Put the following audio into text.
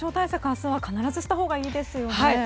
明日必ずしたほうがいいですね。